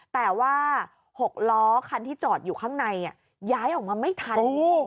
แต่ว่า๖ล้อคันที่จอดอยู่ข้างในย้ายออกมาไม่ทัน